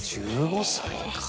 １５歳か。